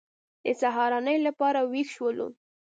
د سهارنۍ لپاره وېښ شولو.